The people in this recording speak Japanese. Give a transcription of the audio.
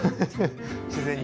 自然に。